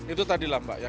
itu tadi lambat ya